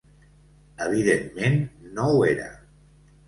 Evidentment no ho era.